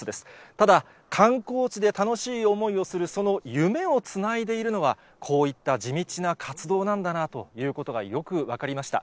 ただ、観光地で楽しい思いをするその夢をつないでいるのは、こういった地道な活動なんだなということがよく分かりました。